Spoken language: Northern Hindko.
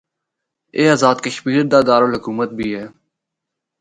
اے آزاد کشمیر دا دارالحکومت بھی ہے۔